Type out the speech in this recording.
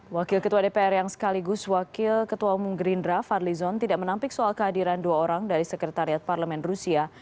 wakil ketua dpr yang sekaligus wakil ketua umum gerindra fadli zon tidak menampik soal kehadiran dua orang dari sekretariat parlemen rusia